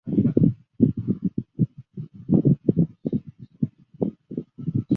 所谓的座头众就是忍者化妆成琵琶法师中的小人物去探听情报。